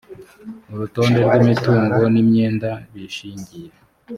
urutonde rw’imitungo n’imyenda bishingiye